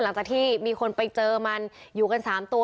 หลังจากที่มีคนไปเจอมันอยู่กัน๓ตัว